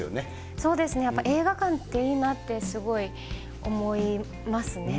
そうですね、やっぱり映画館っていいなってすごい思いますね。